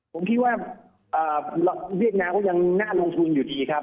ผมคิดว่าเวียดนามก็ยังน่าลงทุนอยู่ดีครับ